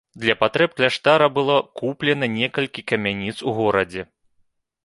Для патрэб кляштара было куплена некалькі камяніц у горадзе.